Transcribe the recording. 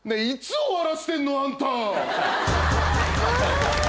いつ終わらしてんの⁉あんた！